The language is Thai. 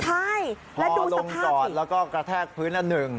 ใช่และดูสภาพสิพอลงจอดแล้วก็กระแทกพื้นหนึ่ง